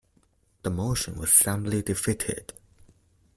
The motion was soundly defeated.